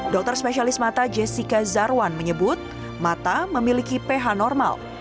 dokter spesialis mata jessica zarwan menyebut mata memiliki ph normal